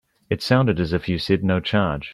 It sounded as if you said no charge.